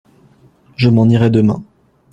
Je m’en irai demain.